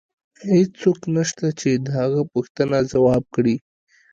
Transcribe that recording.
هیڅوک نشته چې د هغه پوښتنه ځواب کړي